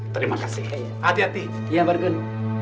terima kasih hati hati ya bargon